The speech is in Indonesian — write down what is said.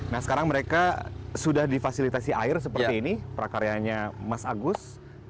nah sekarang mereka sudah difasilitasi air seperti ini prakaryanya mas agus